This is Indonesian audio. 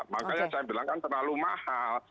makanya saya bilang kan terlalu mahal